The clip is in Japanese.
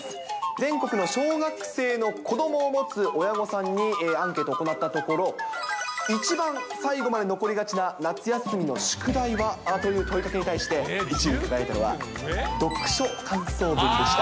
全国の小学生の子どもを持つ親御さんにアンケート行ったところ、一番最後まで残りがちな夏休みの宿題はという問いかけに対して、１位になったのは読書感想文でした。